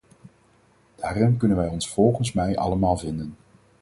Daarin kunnen wij ons volgens mij allemaal vinden.